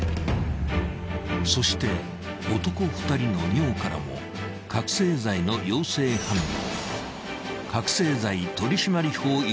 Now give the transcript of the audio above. ［そして男２人の尿からも覚醒剤の陽性反応］